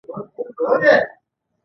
د سپي جنګول منع دي